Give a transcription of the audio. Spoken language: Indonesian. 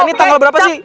ini tanggal berapa sih